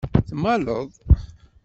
Tmaleḍ.